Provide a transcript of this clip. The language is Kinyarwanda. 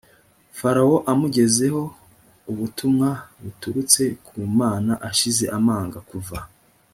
farawo amugezaho ubutumwa buturutse ku mana ashize amanga kuva